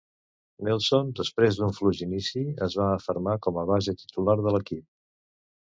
Nelson, després d'un fluix inici, es va afermar com el base titular de l'equip.